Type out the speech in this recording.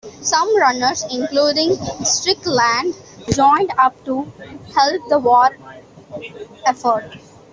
Some runners, including Strickland, joined up to help the war effort.